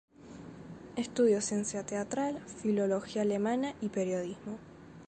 Estudió ciencia teatral, filología alemana y periodismo.